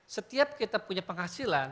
setiap kita punya penghasilan